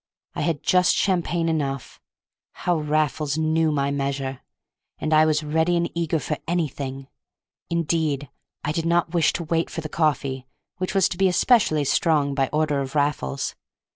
I had had just champagne enough—how Raffles knew my measure!—and I was ready and eager for anything. Indeed, I did not wish to wait for the coffee, which was to be especially strong by order of Raffles.